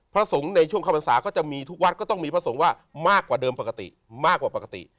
พระสงฆ์ในช่วงความพรรษาก็จะมีทุกวัดก็ต้องมีพระสงฆ์ว่ามากกว่าเดิมปกติ